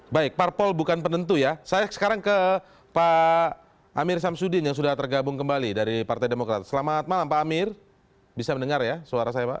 baik parpol bukan penentu ya saya sekarang ke pak amir samsudin yang sudah tergabung kembali dari partai demokrat selamat malam pak amir bisa mendengar ya suara saya pak